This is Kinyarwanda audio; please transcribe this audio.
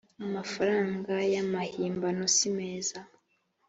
amafaranga y amahimbano simeza